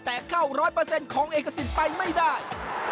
แต่เข้า๑๐๐ของเอกสิทธิ์ไปไม่ได้